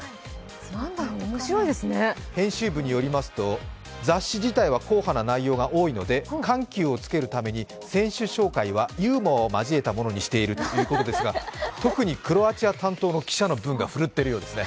編集部によりますと、雑誌自体は硬派な内容が多いので緩急をつけるために選手紹介はユーモアを交えたものにしているということですが特にクロアチア担当の記者の分がふるっているようですね。